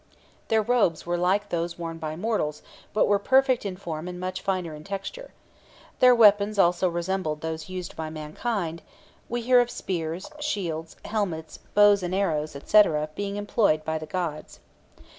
Their robes were like those worn by mortals, but were perfect in form and much finer in texture. Their weapons also resembled those used by mankind; we hear of spears, shields, helmets, bows and arrows, &c., being employed by the gods.